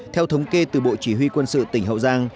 theo thống kê từ bộ chỉ huy quân sự tỉnh hậu giang